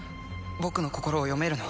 僕の心を読めるの？